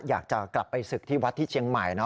อยากจะกลับไปศึกที่วัดที่เชียงใหม่